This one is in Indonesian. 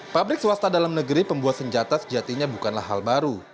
pabrik swasta dalam negeri pembuat senjata sejatinya bukanlah hal baru